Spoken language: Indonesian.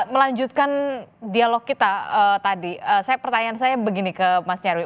melanjutkan dialog kita tadi pertanyaan saya begini ke mas nyarwi